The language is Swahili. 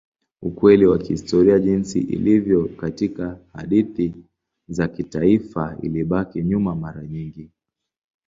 Ukweli wa kihistoria jinsi ilivyo katika hadithi za kitaifa ilibaki nyuma mara nyingi.